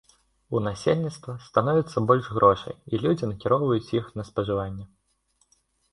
У насельніцтва становіцца больш грошай, і людзі накіроўваюць іх на спажыванне.